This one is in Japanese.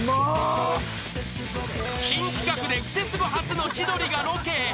新企画で「クセスゴ」初の千鳥がロケへ。